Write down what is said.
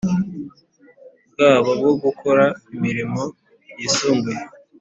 bwabo bwo gukora imirimo yisumbuye